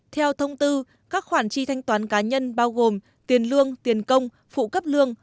theo thông tư các khoản chi thanh toán cá nhân bao gồm tiền lương tiền công phụ cấp lương